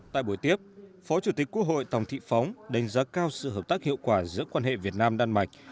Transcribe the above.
tại buổi tiếp phó chủ tịch quốc hội tòng thị phóng đánh giá cao sự hợp tác hiệu quả giữa quan hệ việt nam đan mạch